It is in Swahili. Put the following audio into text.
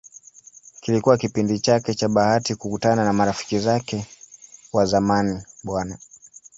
Kilikuwa kipindi chake cha bahati kukutana na marafiki zake wa zamani Bw.